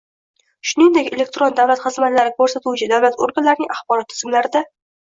shuningdek elektron davlat xizmatlari ko‘rsatuvchi davlat organlarining axborot tizimlarida